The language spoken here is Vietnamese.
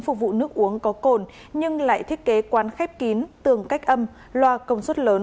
phục vụ nước uống có cồn nhưng lại thiết kế quán khép kín tường cách âm loa công suất lớn